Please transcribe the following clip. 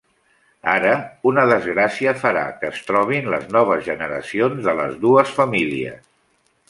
Ara, una desgràcia farà que es trobin les noves generacions de les dues famílies.